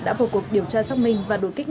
đã vào cuộc điều tra xác minh và đột kích